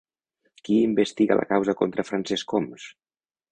Qui investiga la causa contra Francesc Homs?